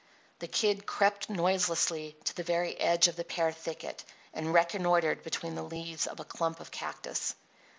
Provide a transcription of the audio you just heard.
The Kid crept noiselessly to the very edge of the pear thicket and reconnoitred between the leaves of a clump of cactus.